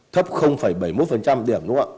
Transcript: thấp bảy mươi một điểm đúng không ạ